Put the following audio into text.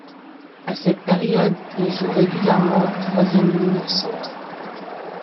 À cette période, il joue régulièrement troisième ligne centre.